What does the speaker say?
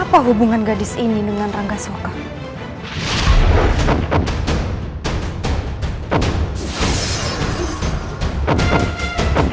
apa hubungan gadis ini dengan rangga soekar